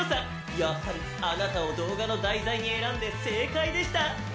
やはりあなたを動画の題材に選んで正解でした！